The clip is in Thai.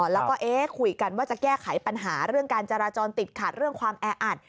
แล้วก็คุยกันว่าจะแก้ไขปัญหาเรื่องการจราจรติดขัดเรื่องความแออัด